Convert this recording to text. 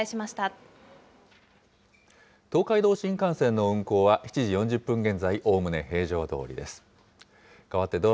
東海道新幹線の運行は、７時４０分現在、おおむね平常どおりです。